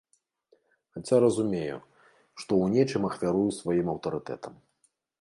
Хаця разумею, што ў нечым ахвярую сваім аўтарытэтам.